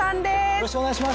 よろしくお願いします。